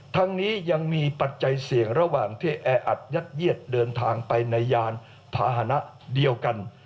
ทั้งนี้ยังมีปัจจัยเสี่ยงระหว่างที่แออัดยัดเยียดเดินทางไปในยานพาหนะเดียวกัน